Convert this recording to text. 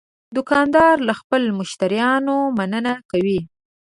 دوکاندار له خپلو مشتریانو مننه کوي.